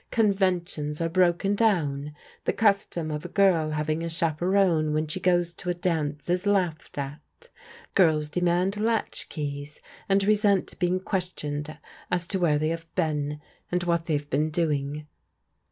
Conventions are broken down, the custom of a girl having a chaperon when she goes to a dance is laughed at, girls demand latch keys and resent being questioned as to where they have been, and what they have been doing."